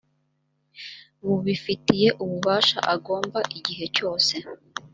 bubifitiye ububasha agomba igihe cyose